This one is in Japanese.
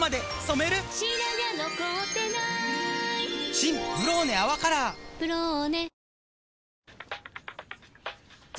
新「ブローネ泡カラー」「ブローネ」